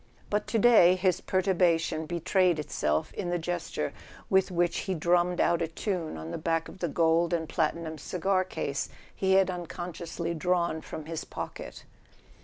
But to day his perturbation betrayed itself in the gesture with which he dru mm ed out a tune on the back of the gold and platinum cigar case he had unconsciously drawn from his pocket.